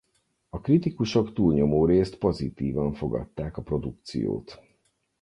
A kritikusok túlnyomó részt pozitívan fogadták a produkciót.